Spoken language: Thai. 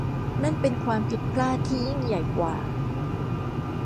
นั่นเป็นความผิดพลาดที่ยิ่งใหญ่กว่า